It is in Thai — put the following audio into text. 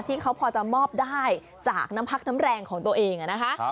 ที่เขาพอจะมอบได้จากน้ำพักน้ำแรงของตัวเองนะคะ